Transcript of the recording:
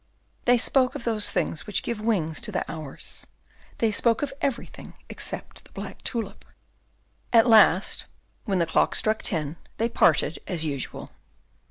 They spoke of those things which give wings to the hours; they spoke of everything except the black tulip. At last, when the clock struck ten, they parted as usual.